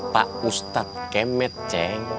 pak ustad kemet ceng